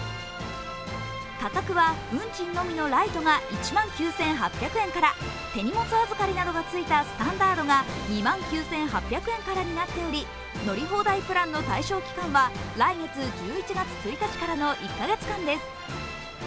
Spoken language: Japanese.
価格は運賃のみのライトが１万９８００円から、手荷物預かりなどがついたスタンダードが２万９８００円からになっており乗り放題プランの対象期間は来月１１月１日からの１カ月間です。